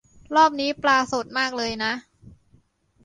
รอบนี้ปลาสดมากเลยนะ